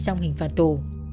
xong hình phạt tù